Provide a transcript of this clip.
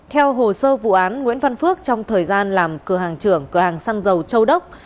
theo hồ sơ vụ án nguyễn văn phước trong thời gian làm cửa hàng trưởng cửa hàng xăng dầu châu đốc